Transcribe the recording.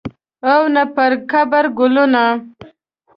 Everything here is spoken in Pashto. او نه پرقبر ګلونه